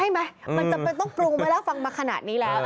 ไหมมันจำเป็นต้องปรุงไว้แล้วฟังมาขนาดนี้แล้ว